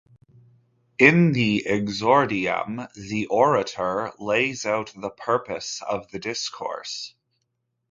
In the "exordium", the orator lays out the purpose of the discourse.